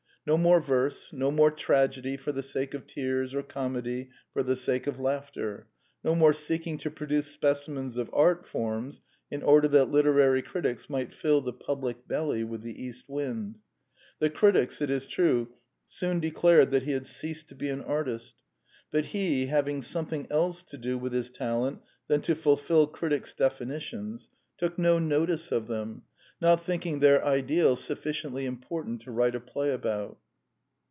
No more verse, no more tragedy for the sake of tears or comedy for the sake of laugh ter, no more seeking to produce specimens of art forms in order that literary critics might fill the public belly with the east wind. The critics, it is true, soon declared that he had ceased to be an artist; but he, having something else to do with his talent than to iFulfil critics' definitions, took no The Anti Idealist Plays 83 notice of them, not thinking their ideal sufficiently important to write a play about.